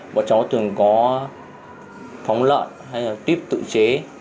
bọn cháu thường có phóng lợn hay là tuyếp tự chế